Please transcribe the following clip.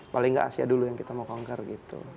paling nggak asia dulu yang kita mau kanker gitu